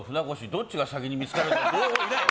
どっちが先に見つかるかって。